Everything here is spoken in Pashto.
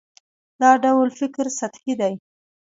دا ډول فکر سطحي دی.